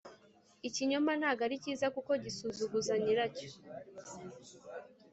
ikinyoma ntago ari cyiza kuko gisuzuguza nyiracyo